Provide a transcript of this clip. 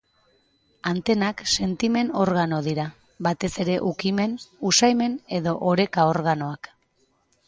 Antenak sentimen-organo dira, batez ere ukimen, usaimen edo oreka-organoak.